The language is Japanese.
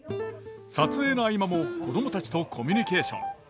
撮影の合間も子供たちとコミュニケーション。